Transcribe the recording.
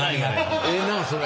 ええなそれ。